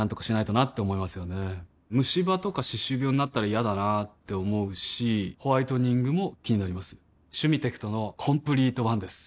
ムシ歯とか歯周病になったら嫌だなって思うしホワイトニングも気になります「シュミテクトのコンプリートワン」です